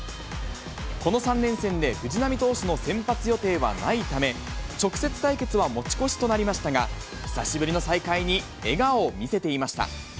この３連戦で藤浪投手の先発予定はないため、直接対決は持ち越しとなりましたが、久しぶりの再会に、笑顔を見せていました。